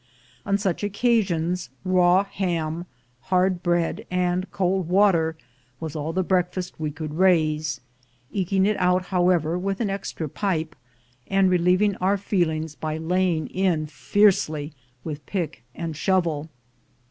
On such occasions, raw ham, hard bread, and cold water was all the breakfast we could raise; eking it out however, with an extra pipe, and relieving our feel ings by laying in fiercely with pick and shovel.